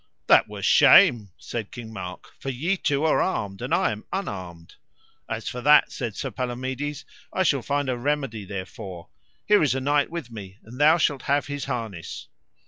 That were shame, said King Mark, for ye two are armed and I am unarmed. As for that, said Sir Palomides, I shall find a remedy therefore; here is a knight with me, and thou shalt have his harness.